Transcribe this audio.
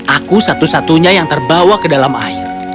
aku satu satunya yang terbawa ke dalam air